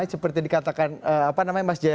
seperti dikatakan mas jaya